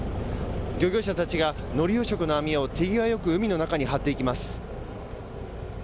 漁業者たちが、のり養殖を網を手際よく海の中に張っていきます。